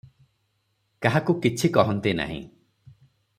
କାହାକୁ କିଛି କହନ୍ତି ନାହିଁ ।